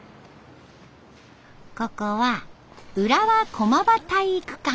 ここは浦和駒場体育館。